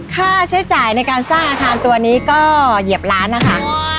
ค่าใช้จ่ายในการสร้างอาคารตัวนี้ก็เหยียบล้านนะคะ